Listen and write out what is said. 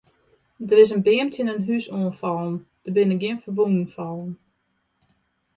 Der is in beam tsjin in hús oan fallen, der binne gjin ferwûnen fallen.